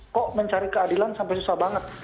kok mencari keadilan sampai susah banget